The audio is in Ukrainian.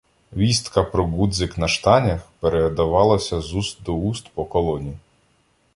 Вістка про ґудзик на штанях передавалася з уст до уст по колоні.